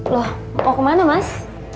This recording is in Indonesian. loh mau kemana mas